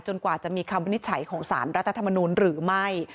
กว่าจะมีคำวินิจฉัยของสารรัฐธรรมนูลหรือไม่